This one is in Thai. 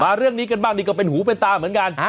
เรื่องนี้กันบ้างนี่ก็เป็นหูเป็นตาเหมือนกัน